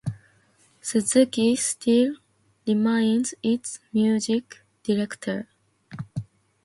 Suzuki still remains its music director.